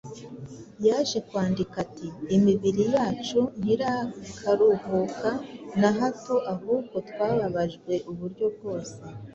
Yaje kwandika ati: “Imibiri yacu ntirakaruhuka na hato, ahubwo twababajwe uburyo bwose.